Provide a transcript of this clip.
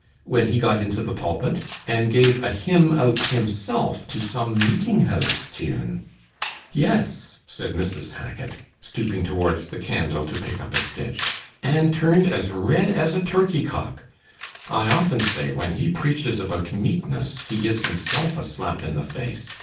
when he got into the pulpit; and gave a hymn out himself to some meeting house tune?' 'Yes,' said Mrs. Hackit, stooping towards the candle to pick up a stitch, 'and turned as red as a turkey cock. I often say, when he preaches about meekness, he gives himself a slap in the face.